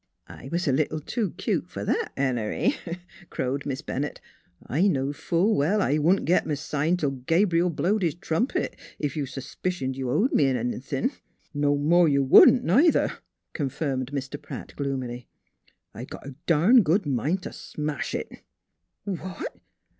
" I was a leetle too cute f'r that, Henery," crowed Miss Bennett. " I knowed full well I wouldn't get m' sign till Gabr'l blowed his trum pet, if you s'spicioned you owed me anythin'." " No more you wouldn't, neither," confirmed Mr. Pratt gloomily. " I got a darn good mind t' smash it." " What?